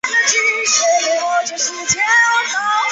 万历三十八年庚戌科第三甲第九十名进士。